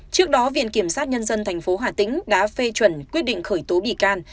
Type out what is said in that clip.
trước đó viện kiểm sát nhân dân tp hà tĩnh đã phê chuẩn quyết định khởi tố bị can